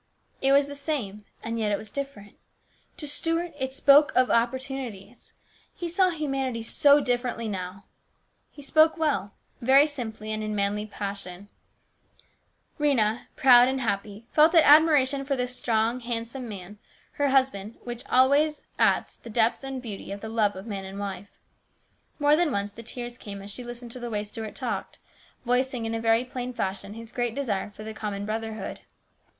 It was the same, and yet it was different. To Stuart it spoke of opportunities. He saw humanity so differently now. He spoke well ; very simply and in manly fashion. 314 ins BROTHER'S KEEPER. Rhena, proud and happy, felt that admiration for this strong, handsome man, her husband, which always adds to the depth and beauty of the love of man and wife. More than once the tears came as she listened to the way Stuart talked, voicing in a very plain fashion his great desire for the common brother hood.